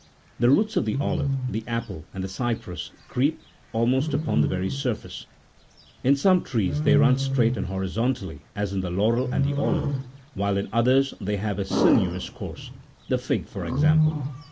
The roots of the olive, the apple, and the cypress, creep almost upon the very surface : in some trees they run straight and horizontally, as in the laurel and the olive ; while in others they have a sinuous course — the fig for example.